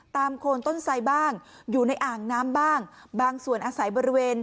โคนต้นไสบ้างอยู่ในอ่างน้ำบ้างบางส่วนอาศัยบริเวณ